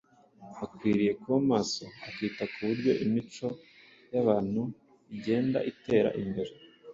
Akwiriye kuba maso akita ku buryo imico y’abantu igenda itera imbere.